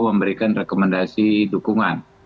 memberikan rekomendasi dukungan